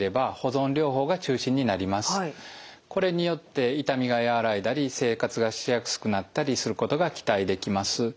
これによって痛みが和らいだり生活がしやすくなったりすることが期待できます。